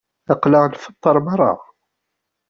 Aql-aɣ nfeṭṭer merra.